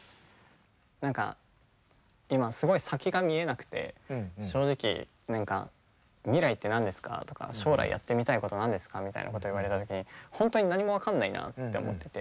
何か今すごい先が見えなくて正直何か未来って何ですかとか将来やってみたいこと何ですかみたいなこと言われた時に本当に何も分かんないなって思ってて。